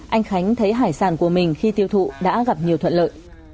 anh khánh thấy hải sản của mình khi tiêu thụ đã gặp nhiều thuận lợi